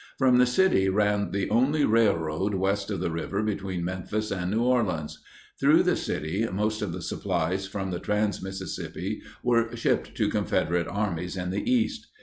From the city ran the only railroad west of the river between Memphis and New Orleans. Through the city most of the supplies from the trans Mississippi were shipped to Confederate armies in the East.